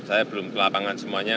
saya belum ke lapangan semuanya